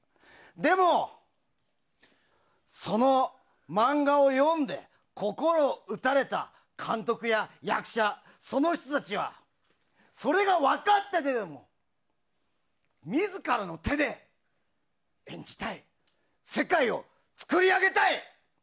でも、その漫画を読んで心を打たれた監督や役者その人たちはそれが分かってても自らの手で演じたい世界を作り上げたい。